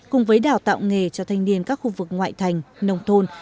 cùng với đào tạo nghề cho thanh niên các khu vực ngoại thành nông thôn